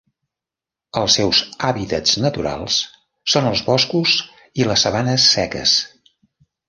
Els seus hàbitats naturals són els boscos i les sabanes seques.